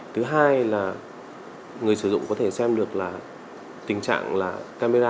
thứ hai là người sử dụng có thể xem được tình trạng camera tại một mươi sáu điểm ứng ngập